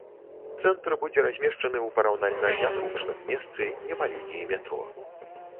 Цэнтр будзе размешчаны ў параўнальна нязручным месцы, не па лініі метро.